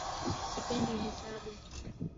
Sipendi hesabu